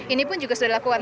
ini pun juga sudah dilakukan